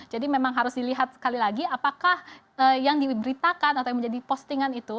jadi memang harus dilihat sekali lagi apakah yang diberitakan atau yang menjadi postingan itu